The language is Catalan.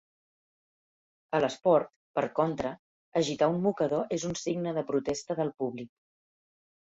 A l'esport, per contra, agitar un mocador és un signe de protesta del públic.